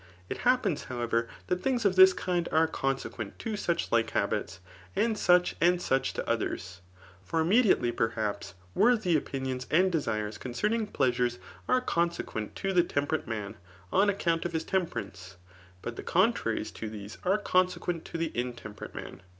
It happens^ however, that things of this kind are consequent to such like habits, and such and such to others. For inime* diately, perhaps, worthy opini<»is and desires concerning pleasures, are consequent to the temperate man» on account of his temperance ; but the contraries to these are consequent to the intemperate man.